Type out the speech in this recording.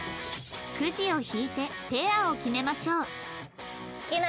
クジを引いてペアを決めましょう